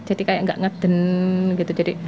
jadi kayak gak ngeden gitu